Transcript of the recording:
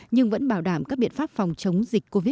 nhưng vẫn bảo đảm các biện pháp phòng chống dịch covid một mươi chín